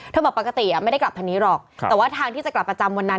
บอกปกติไม่ได้กลับทางนี้หรอกแต่ว่าทางที่จะกลับประจำวันนั้น